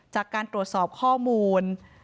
นายพิรายุนั่งอยู่ติดกันแบบนี้นะคะ